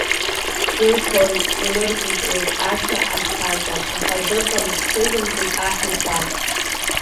Илҳәоит, илыркьыкьуеит ашәа ахапа, аха дыҟам, дҽыжәымҵит аҳ иԥа!